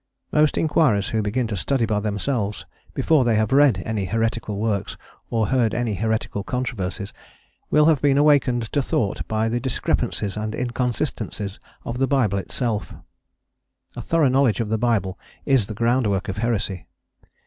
Most inquirers who begin to study by themselves, before they have read any heretical works, or heard any heretical controversies, will have been awakened to thought by the discrepancies and inconsistencies of the Bible itself. A thorough knowledge of the Bible is the groundwork of heresy.